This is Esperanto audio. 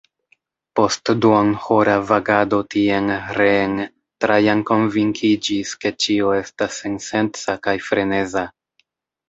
Post duonhora vagado tien, reen, Trajan konvinkiĝis, ke ĉio estas sensenca kaj freneza.